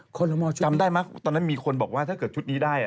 จำได้มั้ตอนนั้นมีคนบอกว่าถ้าเกิดชุดนี้ได้